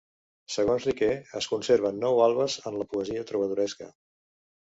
Segons Riquer, es conserven nou albes en la poesia trobadoresca.